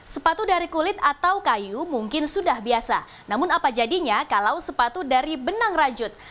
sepatu dari kulit atau kayu mungkin sudah biasa namun apa jadinya kalau sepatu dari benang rajut